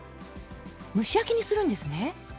蒸し焼きにするんですね。